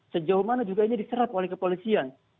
sejauh mana juga ini diserap oleh kepolisian